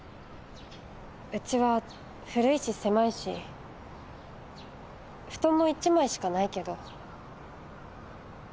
うちは古いし狭いし布団も一枚しかないけど。